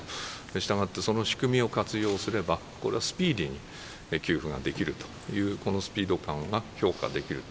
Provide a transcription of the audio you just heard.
したがってその仕組みを活用すれば、これはスピーディーに給付ができるという、このスピード感は評価できると。